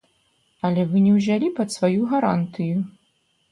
Але вы не ўзялі пад сваю гарантыю.